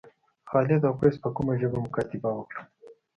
خالد او قیس په کومه ژبه مکاتبه وکړه.